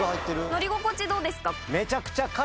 乗り心地どうですか？